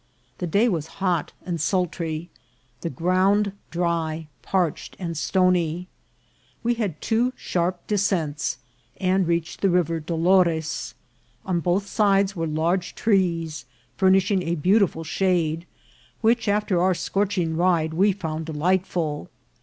The day was hot and sultry, the ground dry, parched, and stony. "We had two sharp descents, and reached the Rivei Dolores. On both sides were large trees, furnishing a beautiful shade, which, after our scorching ride, we found delightful.